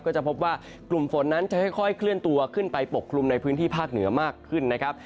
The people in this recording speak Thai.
ก็จะพบว่ากลุ่มฝนนั้นจะค่อยเคลื่อนตัวขึ้นไปปกคลุมในพื้นที่ภาคเหนือมากขึ้นนะครับ